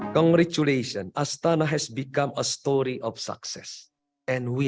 tahniah astana menjadi sebuah cerita keberhasilan